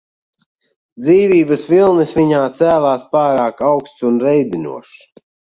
Dzīvības vilnis viņā cēlās pārāk augsts un reibinošs.